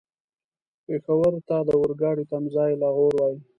پېښور ته د اورګاډي تم ځای لاهور و.